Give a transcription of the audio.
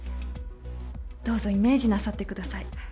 どうぞイメージなさってください